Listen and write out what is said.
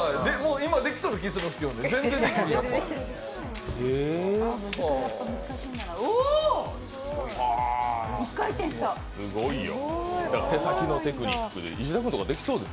できそうな気がするんですけど、全然できないです。